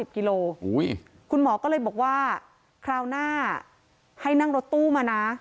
กิโลคุณหมอก็เลยบอกว่าคราวหน้าให้นั่งรถตู้มานะ